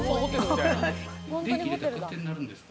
電気入れたら勝手に鳴るんですか？